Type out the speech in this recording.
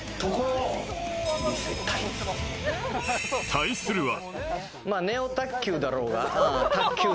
対するは。